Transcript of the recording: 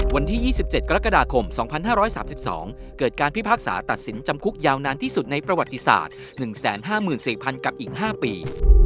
วันที่๒๗กรกฎาคม๒๕๓๒เกิดการพิพากษาตัดสินจำคุกยาวนานที่สุดในประวัติศาสตร์๑๕๔๐๐๐กับอีก๕ปี